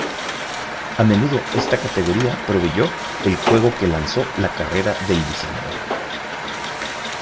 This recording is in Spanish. A menudo esta categoría proveyó el juego que lanzó la carrera del diseñador.